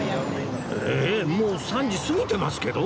えっもう３時過ぎてますけど